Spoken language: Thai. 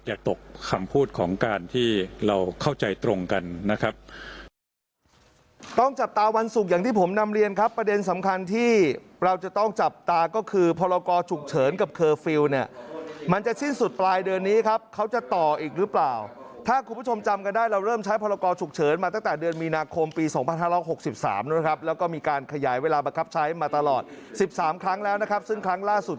ตกคำพูดของการที่เราเข้าใจตรงกันนะครับ